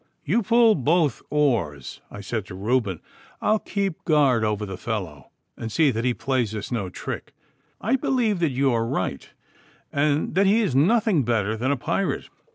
'You pull both oars,' I said to Reuben; 'I'll keep guard over the fellow and see that he plays us no trick. I believe that you are right, and that he is nothing better than a pirate.